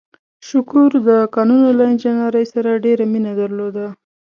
شکور د کانونو له انجنیرۍ سره ډېره مینه درلوده.